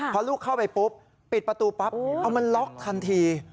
พอลูกเข้าไปปุ๊บปิดประตูปั๊บเอามันล็อกทันที